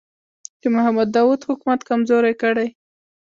د محمد داوود حکومت کمزوری کړي.